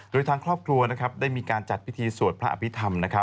โดยทางครอบครัวได้มีการจัดพิธีสวดพระอภิษฐรรม